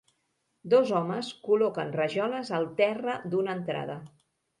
Dos homes col·loquen rajoles al terra d'una entrada.